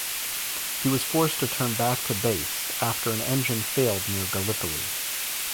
He was forced to turn back to base after an engine failed near Gallipoli.